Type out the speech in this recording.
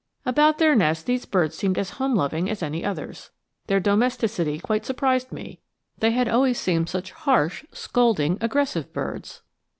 About their nests these birds seemed as home loving as any others. Their domesticity quite surprised me; they had always seemed such harsh, scolding, aggressive birds!